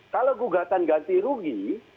kalau gugatan ganti rugi